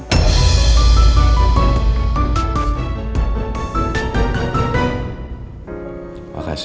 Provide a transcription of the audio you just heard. sampai ketemu lagi